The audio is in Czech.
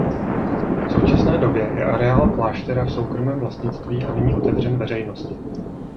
V současné době je areál kláštera v soukromém vlastnictví a není otevřen veřejnosti.